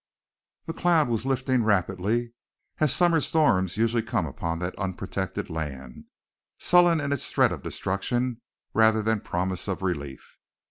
The cloud was lifting rapidly, as summer storms usually come upon that unprotected land, sullen in its threat of destruction rather than promise of relief.